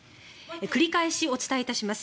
繰り返しお伝えいたします。